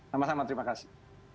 sama sama terima kasih